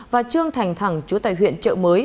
và trương thành thẳng chúa tại huyện trợ mới